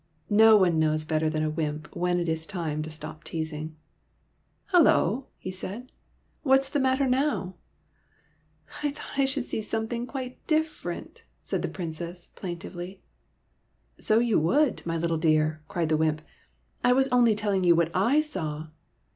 No one knows better than a wymp when it is time to stop teasing. ''Hullo!" he said. "What is the matter now ?"" I thought I should see something quite different," said the Princess, plaintively. " So you would, my little dear," cried the wymp. " I was only telling you what / saw.